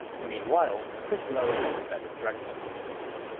Meanwhile, Chris Lowe is at a bed and breakfast.